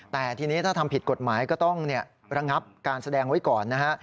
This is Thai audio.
แต่ทีนี้ถ้าทำผิดกฎหมายก็ต้องระงับการแสดงไว้ก่อนนะฮะ